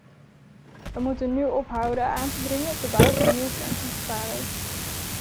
Wij moeten nu ophouden aan te dringen op de bouw van nieuwe kerncentrales.